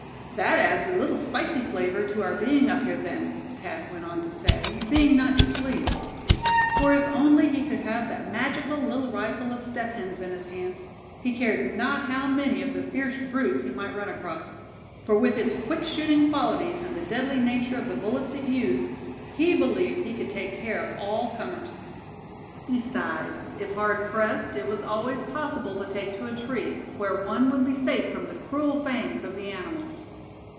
"That adds a little spicy flavor to our being up here, then," Thad went on to say, being not displeased; for if only he could have that magical little rifle of Step Hen's in his hands, he cared not how many of the fierce brutes he might run across; for with its quick shooting qualities, and the deadly nature of the bullets it used, he believed he could take care of all comers. Besides, if hard pressed, it was always possible to take to a tree, where one would be safe from the cruel fangs of the animals.